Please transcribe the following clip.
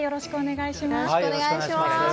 引き続きよろしくお願いします。